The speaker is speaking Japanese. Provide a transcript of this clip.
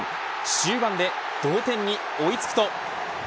終盤で同点に追い付くと。